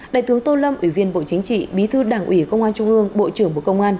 đại tướng tô lâm ủy viên bộ chính trị bí thư đảng ủy công an trung ương bộ trưởng bộ công an